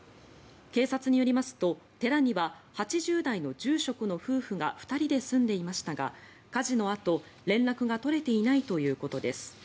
警察によりますと寺には８０代の住職の夫婦が２人で住んでいましたが火事のあと、連絡が取れていないということです。